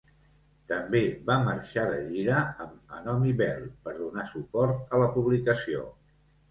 També va marxar de gira amb Anomie Belle per donar suport a la publicació.